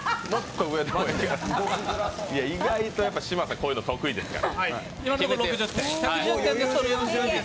意外と嶋佐、こういうの得意ですから。